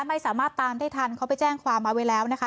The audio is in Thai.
ไม่สามารถตามได้ทันเขาไปแจ้งความเอาไว้แล้วนะคะ